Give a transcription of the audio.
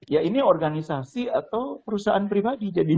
ya ini organisasi atau perusahaan pribadi